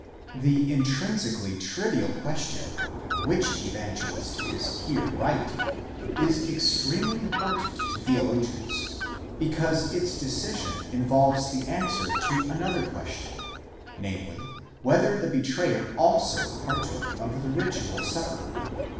The intrinsi cally trivial question, which Evangelist is here right, is extremely important to theologians, because its decision involves the answer to another question, namely, whether the betrayer also partook of the ritual Supper.